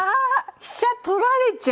飛車取られちゃう！